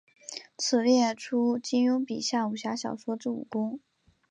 此列出金庸笔下武侠小说之武功。